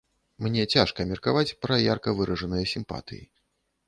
Мне цяжка меркаваць пра ярка выражаныя сімпатыі.